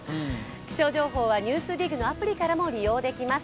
気象情報は「ＮＥＷＳＤＩＧ」のアプリからもご覧いただけます。